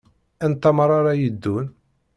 Anta meṛṛa ara yeddun?